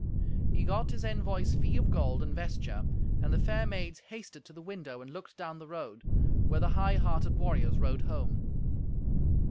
He got his envoy's fee of gold and vesture, and the fair maids hasted to the window and looked down the road, where the high hearted warriors rode home.